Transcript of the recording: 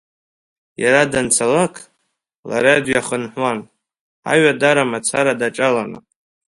Иара данцалак, лара дҩахынҳәуан, аҩадара мацара даҿаланы.